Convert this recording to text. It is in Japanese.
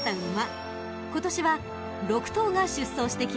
今年は６頭が出走してきます］